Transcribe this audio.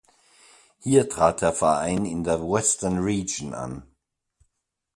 Hier trat der Verein in der Western Region an.